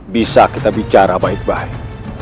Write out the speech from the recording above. bisa kita bicara baik baik